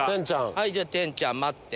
はいじゃあテンちゃん待って。